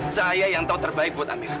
saya yang tahu terbaik buat amerika